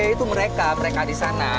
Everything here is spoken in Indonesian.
yaitu mereka mereka di sana